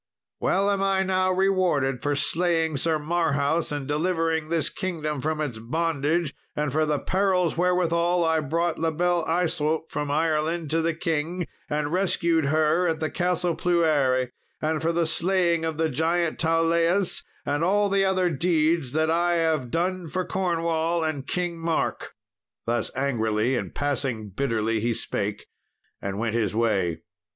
Well am I now rewarded for slaying Sir Marhaus, and delivering this kingdom from its bondage, and for the perils wherewithal I brought La Belle Isault from Ireland to the king, and rescued her at the Castle Pluere, and for the slaying of the giant Tauleas, and all the other deeds that I have done for Cornwall and King Mark." Thus angrily and passing bitterly he spake, and went his way.